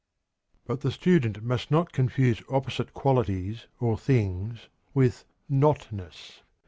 But the student must not confuse opposite qualities or things with "not ness."